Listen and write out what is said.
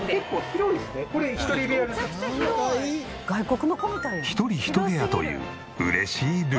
１人１部屋という嬉しいルール。